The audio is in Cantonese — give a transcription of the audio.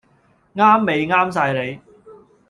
啱味啱晒你